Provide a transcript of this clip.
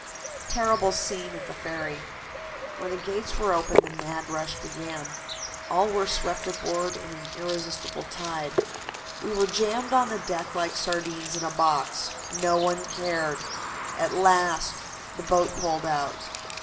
TERRIBLE SCENE AT THE FERRY. "When the gates were opened the mad rush began. All were swept aboard in an irresistible tide. We were jammed on the deck like sardines in a box. No one cared. At last the boat pulled out.